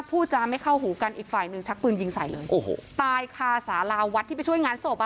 พูดจาไม่เข้าหูกันอีกฝ่ายหนึ่งชักปืนยิงใส่เลยโอ้โหตายคาสาราวัดที่ไปช่วยงานศพอ่ะ